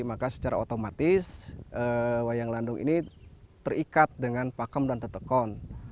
maka secara otomatis wayang landung ini terikat dengan pakem dan tetekon